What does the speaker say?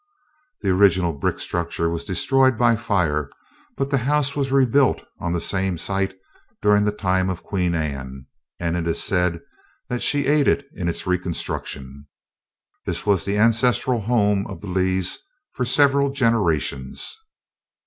The original brick structure was destroyed by fire, but the house was rebuilt on the same site during the time of Queen Anne, and it is said that she aided in its reconstruction. This was the ancestral home of the Lees for several generations.